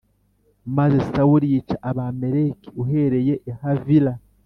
Maze sawuli yica abamaleki uhereye i havila